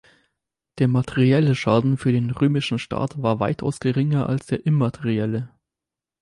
Der materielle Schaden für den römischen Staat war weitaus geringer als der immaterielle.